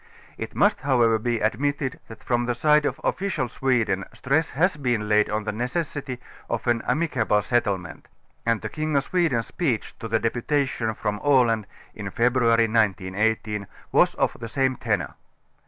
It must however be admitted that from the side of offi cial Sweden stress has been laid on the necessity of an amicable settlement, and the King of Sweden's speech to the deputation from Aland in Febr. 1918 was of the same tenor.